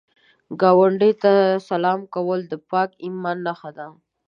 ګاونډي ته سلام کول د پاک ایمان نښه ده